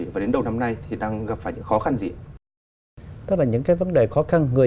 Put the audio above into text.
và đến đầu năm nay thì đang gặp phải những khó khăn gì